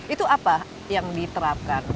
itu apa yang diterapkan